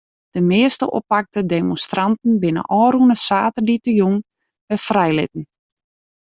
De measte oppakte demonstranten binne ôfrûne saterdeitejûn wer frijlitten.